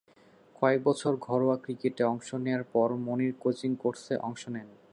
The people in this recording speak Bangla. কয়েক বছর ঘরোয়া ক্রিকেটে অংশ নেয়ার পর মনির কোচিং কোর্সে অংশ নেন।